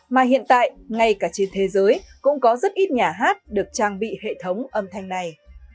mà hiện tại ngay cả trên thế giới cũng có rất ít nhà hát được trang bị hệ thống âm thanh này